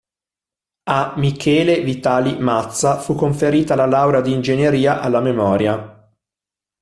A Michele Vitali Mazza fu conferita la laurea di ingegneria alla memoria.